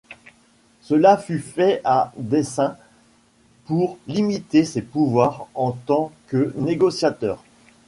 Cela fut fait à dessein, pour limiter ses pouvoirs en tant que négociateur.